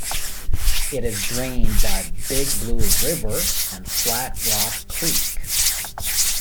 It is drained by Big Blue River and Flat Rock Creek.